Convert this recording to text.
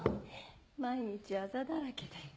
毎日あざだらけで。